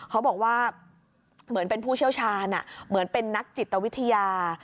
เขาบอกว่าเหมือนเป็นผู้เชี่ยวชาญเหมือนเป็นนักจิตวิทยา